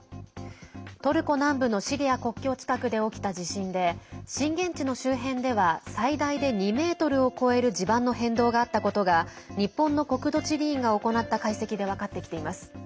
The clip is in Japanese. トルコ南部のシリア国境近くで起きた地震で震源地の周辺では最大で２ｍを超える地盤の変動があったことが日本の国土地理院が行った解析で分かってきています。